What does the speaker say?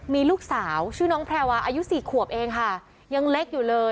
มีลูกสาวชื่อน้องแพรวาอายุสี่ขวบเองค่ะยังเล็กอยู่เลย